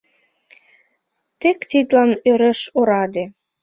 Тек тидлан ӧреш ораде.